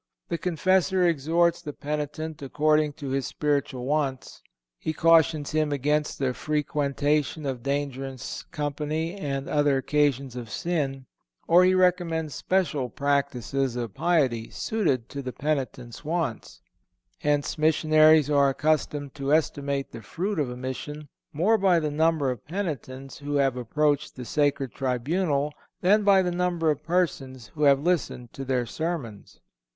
The confessor exhorts the penitent according to his spiritual wants. He cautions him against the frequentation of dangerous company and other occasions of sin, or he recommends special practices of piety suited to the penitent's wants. Hence missionaries are accustomed to estimate the fruit of a mission more by the number of penitents who have approached the sacred tribunal than by the number of persons who have listened to their sermons.